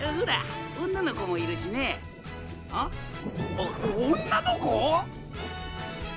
お女の子！？